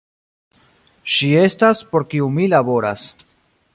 Ŝi estas, por kiu mi laboras.